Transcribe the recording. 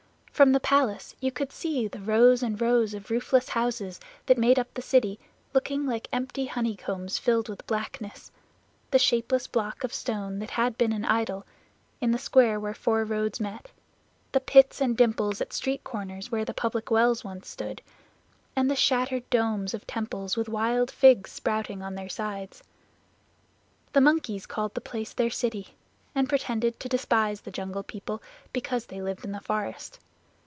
From the palace you could see the rows and rows of roofless houses that made up the city looking like empty honeycombs filled with blackness; the shapeless block of stone that had been an idol in the square where four roads met; the pits and dimples at street corners where the public wells once stood, and the shattered domes of temples with wild figs sprouting on their sides. The monkeys called the place their city, and pretended to despise the Jungle People because they lived in the forest.